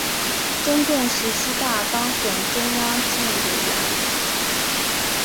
中共十七大当选中央纪委委员。